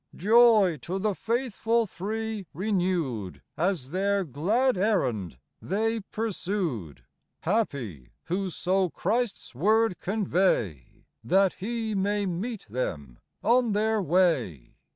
Joy to the faithful three renewed, As their glad errand they pursued ! Happy, who so Christ's word convey, That He may meet them on their way